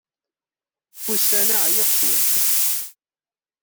Ussan-a ɛyiɣ cwiṭ.